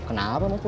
kenapa mas pur